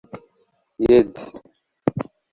Yedder